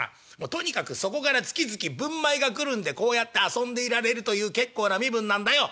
とにかくそこから月々分米が来るんでこうやって遊んでいられるという結構な身分なんだよ」。